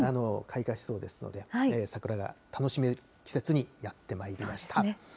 開花しそうですので、桜が楽しめる季節になってまいりました。